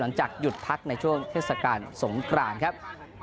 หลังจากหยุดพักในช่วงเทศกาลสงกรานครับ